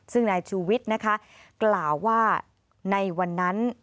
ซึ่งนายชูวิทย์นะคะกล่าวว่าในวันนั้น